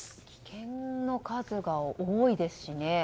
棄権の数が多いですしね。